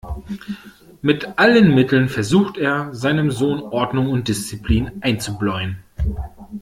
Mit allen Mitteln versucht er, seinem Sohn Ordnung und Disziplin einzubläuen.